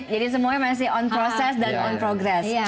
jadi semuanya masih on process dan on progress